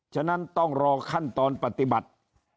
ฉะนั้นต้องรอขั้นตอนปฏิบัติ